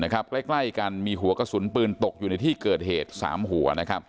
ใกล้กันมีหัวกระสุนปืนตกอยู่ในที่เกิดเหตุ๓หัว